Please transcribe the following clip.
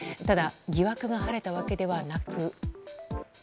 ただ疑惑が晴れたわけではなく。